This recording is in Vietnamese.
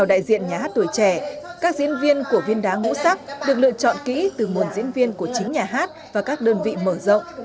đại diện nhà hát tuổi trẻ các diễn viên của viên đá ngũ sắc được lựa chọn kỹ từ nguồn diễn viên của chính nhà hát và các đơn vị mở rộng